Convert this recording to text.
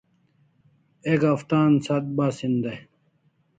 Ek haftan sat bas hin day